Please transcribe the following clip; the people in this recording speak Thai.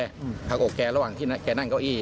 ทางอกแกระหว่างที่แกนั่งเก้าอี้